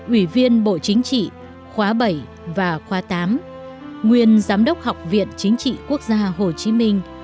ủy viên bộ chính trị khóa bảy và khóa tám nguyên giám đốc học viện chính trị quốc gia hồ chí minh